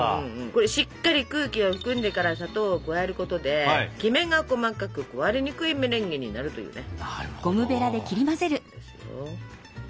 これしっかり空気を含んでから砂糖を加えることでキメが細かく壊れにくいメレンゲになるというね。